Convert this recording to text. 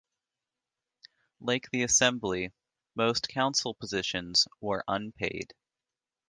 Like the assembly, most council positions were unpaid.